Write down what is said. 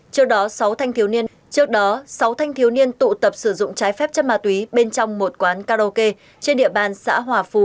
trước đó sáu thanh thiếu niên tụ tập sử dụng trái phép chất ma túy bên trong một quán karaoke trên địa bàn xã hòa phú